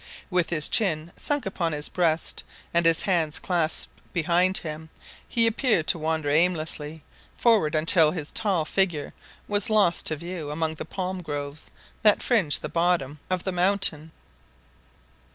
With his chin sunk upon his breast and his hands clasped behind him, he appeared to wander aimlessly forward until his tall figure was lost to view among the palm groves that fringed the bottom of the mountain.